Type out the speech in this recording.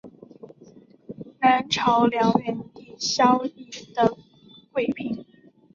南朝梁元帝萧绎的贵嫔。